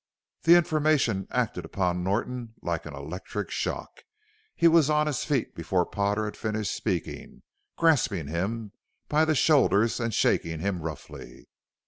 The information acted upon Norton like an electric shock. He was on his feet before Potter had finished speaking, grasping him by the shoulders and shaking him roughly.